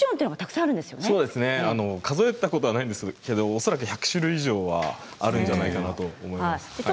数えたことはないんですけど恐らく１００種類以上はあるんじゃないかなと思います。